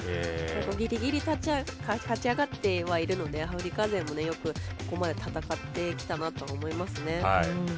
ぎりぎり勝ち上がってきているのでアフリカ勢もよくここまで戦ってきたなと思いますね。